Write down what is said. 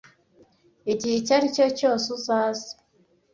igihe icyo aricyo cyose uzaze